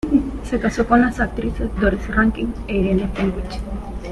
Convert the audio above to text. Se casó con las actrices Doris Rankin e Irene Fenwick.